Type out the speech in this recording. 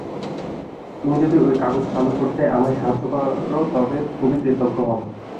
তুমি যদি ঐ কাগজ চালু করতে আমায় সাহায্য কর, তবে খুবই কৃতজ্ঞ হব।